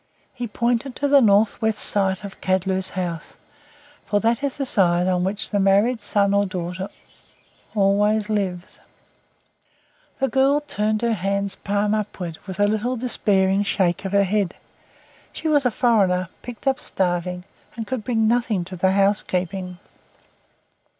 He pointed to the north west side of Kadlu's house, for that is the side on which the married son or daughter always lives. The girl turned her hands palm upward, with a little despairing shake of her head. She was a foreigner, picked up starving, and could bring nothing to the housekeeping.